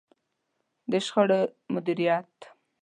د شخړو مديريت.